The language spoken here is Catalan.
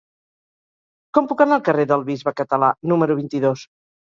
Com puc anar al carrer del Bisbe Català número vint-i-dos?